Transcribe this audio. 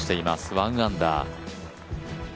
１アンダー。